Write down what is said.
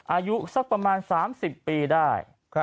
อายุสักประมาณ๓๐ปีได้